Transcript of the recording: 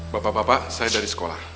bapak bapak saya dari sekolah